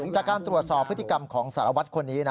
จากการตรวจสอบพฤติกรรมของสารวัตรคนนี้